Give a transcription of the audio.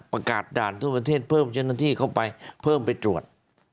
ด่านทั่วประเทศเพิ่มเจ้าหน้าที่เข้าไปเพิ่มไปตรวจ